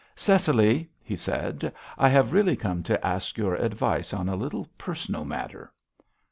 "Cecily," he said, "I have really come to ask your advice on a little personal matter."